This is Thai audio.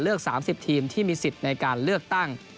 ๓๐ทีมที่มีสิทธิ์ในการเลือกตั้ง